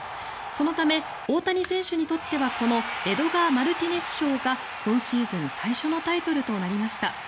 そのため大谷選手にとってはこのエドガー・マルティネス賞が今シーズン最初のタイトルとなりました。